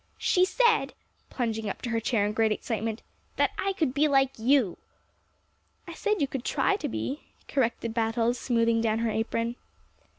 "She said" plunging up to her chair in great excitement "that I could be like you." "I said you could try to be," corrected Battles, smoothing down her apron.